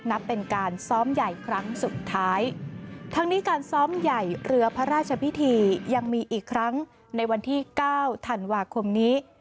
นับเป็นการซ้อมใหญ่ครั้งสุดท้ายทั้งนี้การซ้อมใหญ่เรือพระราชพิธียังมีอีกครั้งในวันที่เก้าธันวาคมนี้